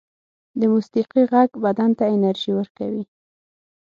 د موسيقۍ غږ بدن ته انرژی ورکوي